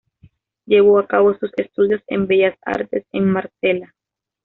Llevó a cabo sus estudios en bellas artes en Marsella.